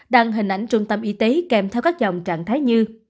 đăng hình ảnh trung tâm y tế kèm theo các dòng trạng thái như